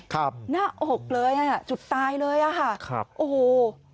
ครับหน้าอกเลยจุดตายเลยอ่ะฮะโอ้โฮ